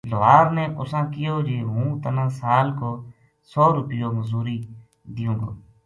لوہار نے اُساں کہیو جی ہوں تنا سال کو سو روپیو مزوری دیوں گو